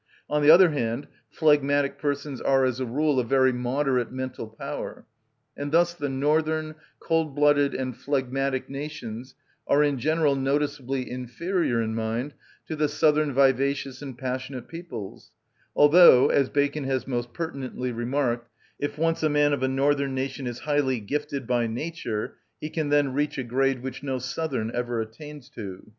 On the other hand, phlegmatic persons are as a rule of very moderate mental power; and thus the northern, cold‐blooded, and phlegmatic nations are in general noticeably inferior in mind to the southern vivacious and passionate peoples; although, as Bacon(2) has most pertinently remarked, if once a man of a northern nation is highly gifted by nature, he can then reach a grade which no southern ever attains to.